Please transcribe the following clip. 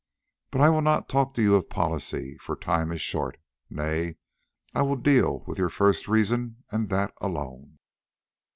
But I will not talk to you of policy, for time is short. Nay, I will deal with your first reason and that alone.